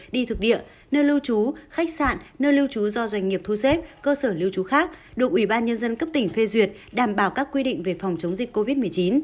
doanh nghiệp thu xếp cơ sở lưu trú khác đụng ủy ban nhân dân cấp tỉnh phê duyệt đảm bảo các quy định về phòng chống dịch covid một mươi chín